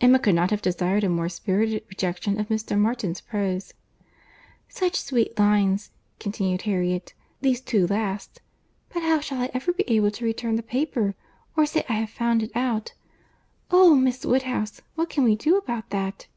Emma could not have desired a more spirited rejection of Mr. Martin's prose. "Such sweet lines!" continued Harriet—"these two last!—But how shall I ever be able to return the paper, or say I have found it out?—Oh! Miss Woodhouse, what can we do about that?"